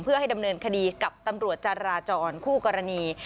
เพื่อให้ดำเนินคดีกับตำรวจจาราจรคู่กรณี